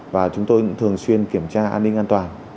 và chúng tôi cũng thường xuyên kiểm tra an ninh an toàn